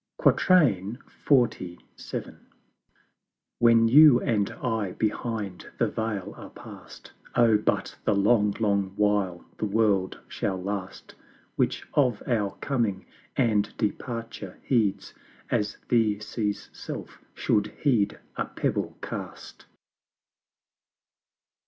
XLVII. When You and I behind the Veil are past, Oh, but the long, long while the World shall last, Which of our Coming and Departure heeds As the Sea's self should heed a pebble cast.